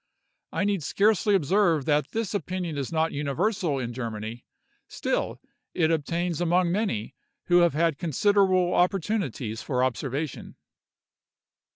I need scarcely observe that this opinion is not universal in Germany; still, it obtains among many who have had considerable opportunities for observation.